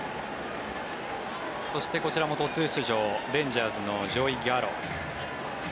そしてこちらも途中出場レンジャーズのジョーイ・ギャロ。